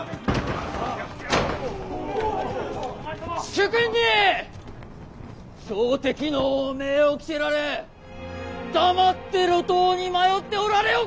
主君に朝敵の汚名を着せられ黙って路頭に迷っておられようか。